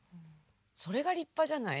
それが立派じゃない？